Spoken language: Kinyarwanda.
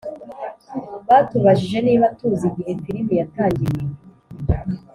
batubajije niba tuzi igihe filime yatangiriye.